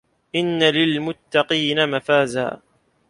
إِنَّ لِلمُتَّقينَ مَفازًا